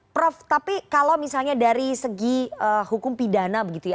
prof tapi kalau misalnya dari segi hukum pidana begitu ya